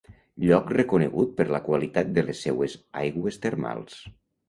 Lloc reconegut per la qualitat de les seues aigües termals.